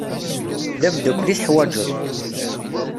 D amdakel i teḥwaǧeḍ.